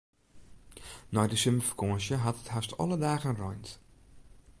Nei de simmerfakânsje hat it hast alle dagen reind.